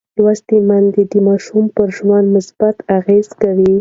لوستې میندې د ماشوم پر ژوند مثبت اغېز کوي.